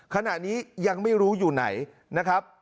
ขณะนี้ยังไม่รู้อยู่ไหนนะครับ